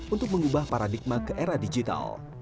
untuk mengubah paradigma ke era digital